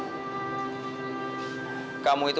kamu itu kan penipu